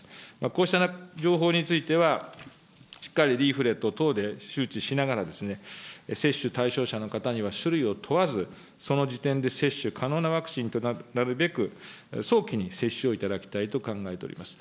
こうした情報については、しっかりリーフレット等で周知しながら、接種対象者の方には種類を問わず、その時点で接種可能なワクチンとなるべく、早期に接種をいただきたいと考えております。